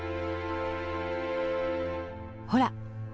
ほら！